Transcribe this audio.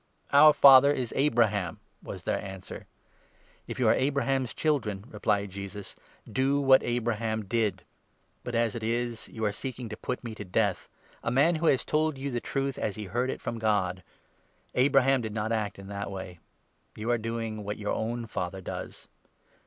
" Our father is Abraham," was their answer. 39 " If you are Abraham's children," replied Jesus, "do what Abraham did. But, as it is, you are seeking to put me to 40 death — a man who has told you the Truth as he heard it from God. Abraham did not act in that way. You are doing what 41 your own father does.